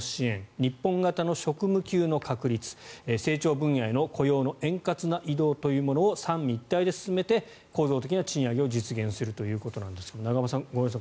日本型の職務給の確立成長分野への雇用の円滑な移動というものを三位一体で進めて構造的な賃上げを実現するということですが永濱さん、ごめんなさい